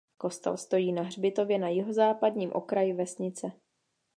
Kostel stojí na hřbitově na jihozápadním okraji vesnice.